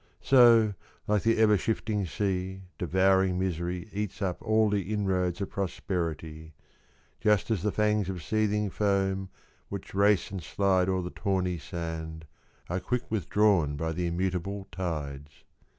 So, — like the ever shifting sea Devouring misery eats up All the inroads of prosperity — Just as the fangs of seething foam Which race and slide o'er the tawny sand Are quick withdrawn by the immutable tides.